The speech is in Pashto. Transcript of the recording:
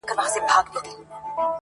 ماسومان زموږ وېريږي ورځ تېرېږي,